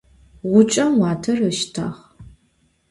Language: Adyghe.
Ğuç'em vuater ışştağ.